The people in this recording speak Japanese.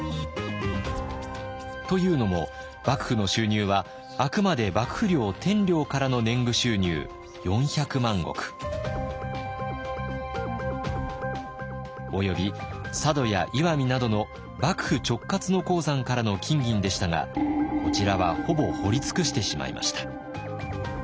というのも幕府の収入はあくまで幕府領「天領」からの年貢収入４００万石。および佐渡や石見などの幕府直轄の鉱山からの金銀でしたがこちらはほぼ掘り尽くしてしまいました。